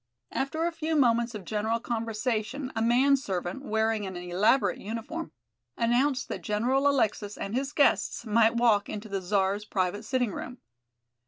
After a few moments of general conversation a man servant, wearing an elaborate uniform, announced that General Alexis and his guests might walk into the Czar's private sitting room.